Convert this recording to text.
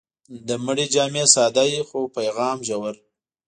د مړي جامې ساده وي، خو پیغام ژور.